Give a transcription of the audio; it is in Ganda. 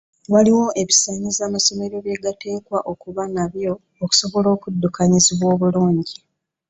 Waliwo ebisaanyizo amasomero bye gateekwa okuba nabyo okusobola okuddukanyizibwa obulungi.